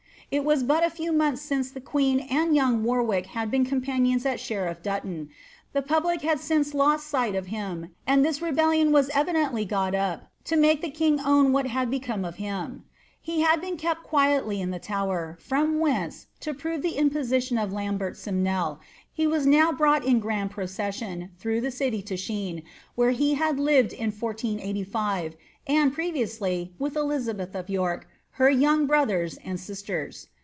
It was but a few months since the queen and young Warwick had been companions at Sheriff Dutton ; the public had since lost sight of him, and this rebellion was evidently got up to make the king own what had become of him. He had been kept quietly in the Tower, firom whence, to prove the imposition of Lambert Simnel, he was now brought in grand procession through the city to Shene, where he had lived in 1485, and, previously, with Elizabeth of Tork, and her young brothers and sisters.